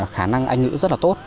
khả năng anh ngữ rất là tốt